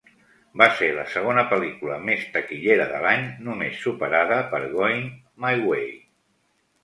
Va ser la segona pel·lícula més taquillera de l'any, només superada per "Going My Way".